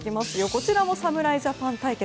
こちらも侍ジャパン対決。